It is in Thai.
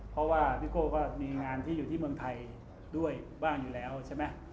เพราะว่าพี่โก้ก็มีงานที่อยู่ที่เมืองไทยด้วยบ้างอยู่แล้วใช่ไหม